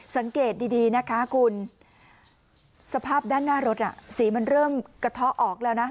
สังเกตดีนะคะคุณสภาพด้านหน้ารถสีมันเริ่มกระเทาะออกแล้วนะ